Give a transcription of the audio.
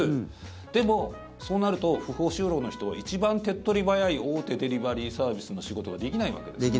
でも、そうなると不法就労の人は一番手っ取り早い大手デリバリーサービスの仕事ができないわけです。